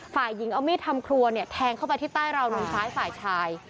ฝ่ายหญิงเอามีดทำครัวเนี่ยแทงเข้าไปที่ใต้ราวนมซ้ายฝ่ายชาย